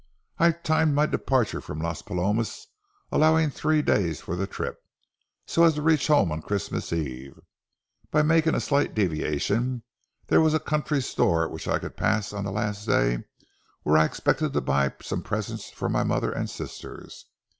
I timed my departure from Las Palomas, allowing three days for the trip, so as to reach home on Christmas eve. By making a slight deviation, there was a country store which I could pass on the last day, where I expected to buy some presents for my mother and sisters.